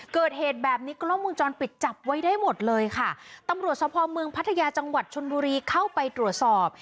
เกิดเหตุแบบนี้กล้องวงจรปิดจับไว้ได้หมดเลยค่ะตำรวจสภเมืองพัทยาจังหวัดชนบุรีเข้าไปตรวจสอบ